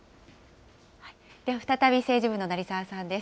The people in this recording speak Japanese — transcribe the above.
では再び政治部の成澤さんです。